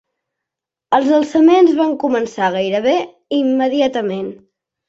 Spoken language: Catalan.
Els alçaments van començar gairebé immediatament.